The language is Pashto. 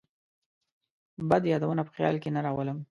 بد یادونه په خیال کې نه راولم.